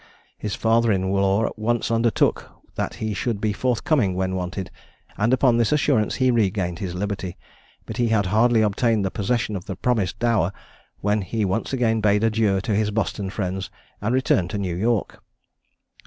His father in law at once undertook that he should be forthcoming when wanted, and upon this assurance he regained his liberty; but he had hardly obtained the possession of the promised dower, when he once again bade adieu to his Boston friends, and returned to New York.